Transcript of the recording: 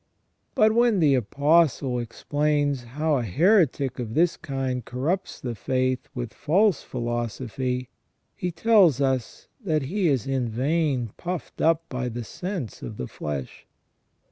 But when the Apostle explains how a heretic of this kind corrupts the faith with false philosophy, he tells us that he is " in vain puifed up by the sense of the flesh